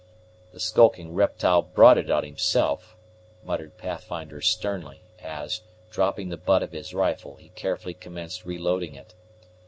"The skulking reptyle brought it on himself," muttered Pathfinder sternly, as, dropping the butt of his rifle, he carefully commenced reloading it.